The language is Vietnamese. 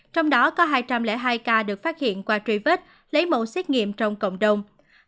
trong đó có hai trăm linh hai ca được phát hiện qua truy vết lấy mẫu xét nghiệm trong cộng đồng